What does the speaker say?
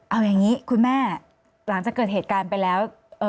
เอาอย่างนี้คุณแม่หลังจากเกิดเหตุการณ์ไปแล้ว